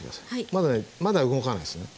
まだねまだ動かないですよね。